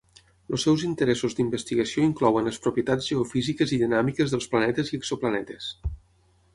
Els seus interessos d'investigació inclouen les propietats geofísiques i dinàmiques dels planetes i exoplanetes.